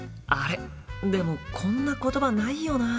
でもこんな言葉ないよな。